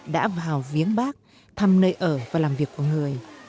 đã vào viếng bác thăm nơi ở và làm việc của người